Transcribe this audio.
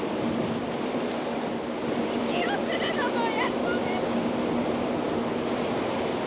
息をするのもやっとです。